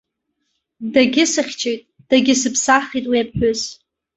Дагьысыхьчеит, дагьысыԥсахит уи аԥҳәыс.